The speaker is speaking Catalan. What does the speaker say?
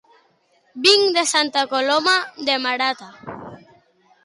Vinc de Santa Coloma de Marata